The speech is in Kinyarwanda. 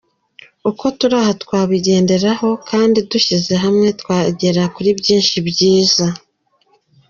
Uko turi aha twabigenderaho, kandi dushyize hamwe twagera kuri byinshi byiza.